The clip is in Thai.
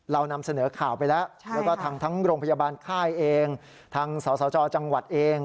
เรานำเสนอข่าวไปแล้วแล้วก็ทั้งโรงพยาบาลค่ายเองทางสสจจังหวัดเอง